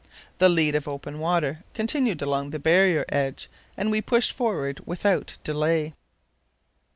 The lead of open water continued along the barrier edge, and we pushed forward without delay.